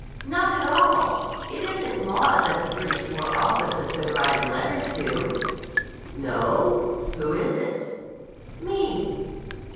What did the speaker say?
"Not at all! It isn't Maud that the British War Office has been writing letters to." "No? Who is it?" "Me."